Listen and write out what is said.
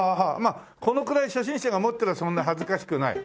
このくらい初心者が持ってればそんな恥ずかしくない。